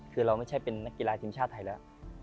คือเราไม่ใช่เป็นนักกีฬาทีมชาติไทยแล้ว